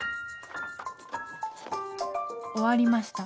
終わりました。